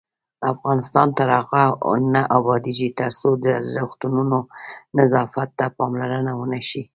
افغانستان تر هغو نه ابادیږي، ترڅو د روغتونونو نظافت ته پاملرنه ونشي.